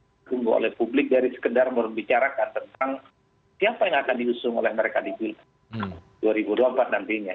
ini yang di tunggu oleh publik dari sekedar membicarakan tentang siapa yang akan diusung oleh mereka di bilik dua ribu dua puluh empat nantinya